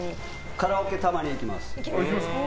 カラオケ、たまに行きます。